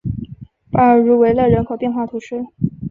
巴尔茹维勒人口变化图示